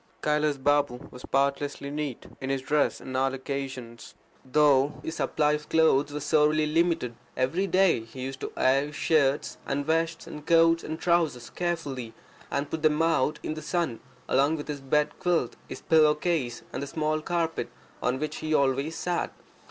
Kailas Balm was spotlessly neat in his dress on all occasions, though his supply of clothes was sorely limited. Every day he used to air his shirts and vests and coats and trousers carefully, and put them out in the sun, along with his bed quilt, his pillowcase, and the small carpet on which he always sat.